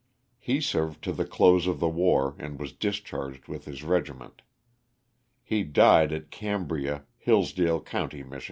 He served to the close of the war and was discharged with his regiment. He died at Cambria, Hillsdale county, Mich.